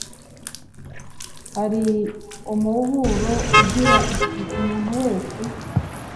hari umuburo ugira uti Umuntu wese